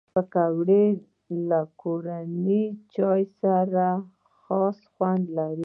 پکورې له کورني چای سره خاص خوند لري